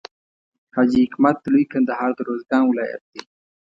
حاجي حکمت د لوی کندهار د روزګان ولایت دی.